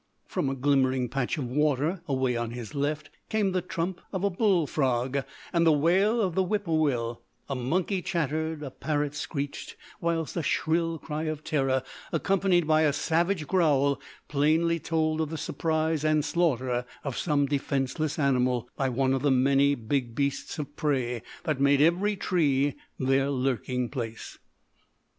From a glimmering patch of water, away on his left, came the trump of a bull frog and the wail of the whip poor will; a monkey chattered, a parrot screeched, whilst a shrill cry of terror, accompanied by a savage growl, plainly told of the surprise and slaughter of some defenceless animal by one of the many big beasts of prey that made every tree their lurking place.